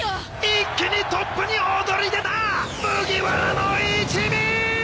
一気にトップに躍り出た麦わらの一味！